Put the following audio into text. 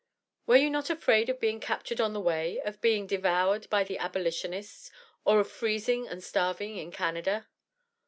"Were you not afraid of being captured on the way, of being devoured by the abolitionists, or of freezing and starving in Canada?"